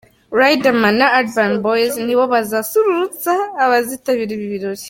Riderman na Urban Boys nibo bazasusurutsa abazitabira ibi birori.